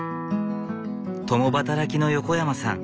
共働きの横山さん。